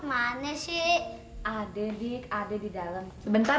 mana sih ada dikade di dalam sebentar ya